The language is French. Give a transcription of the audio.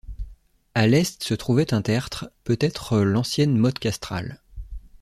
A l'Est, se trouvait un tertre, peut être l'ancienne motte castrale.